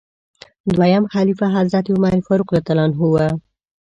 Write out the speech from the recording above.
دویم خلیفه حضرت عمر فاروق رض و.